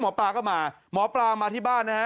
หมอปลาก็มาหมอปลามาที่บ้านนะฮะ